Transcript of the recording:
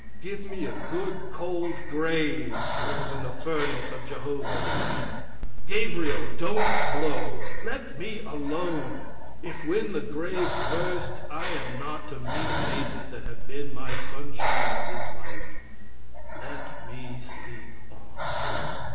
Give me a good cold grave rather than the furnace of Jehovah's wrath. Gabriel, don't blow! Let me alone! If, when the grave bursts, I am not to meet faces that have been my sunshine in this life, let me sleep on.